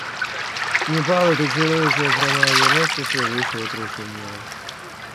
Непал — это чарующая страна Эвереста, слывущего крышей мира.